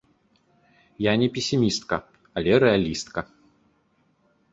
Я не песімістка, але рэалістка.